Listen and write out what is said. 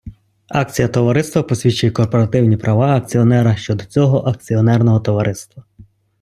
Акція товариства посвідчує корпоративні права акціонера щодо цього акціонерного товариства.